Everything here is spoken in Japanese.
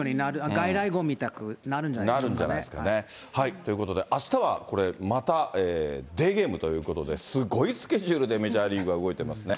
外来語みたくなるんじゃないんでということで、あしたはこれ、またデーゲームということで、すごいスケジュールでメジャーリーグは動いてますね。